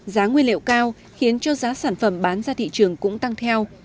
giá nguyên liệu cao khiến cho giá sản phẩm bán ra thị trường cũng tăng theo